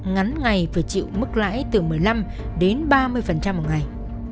ngắn ngày phải chịu mức lái từ một mươi năm đến ba mươi mỗi ngày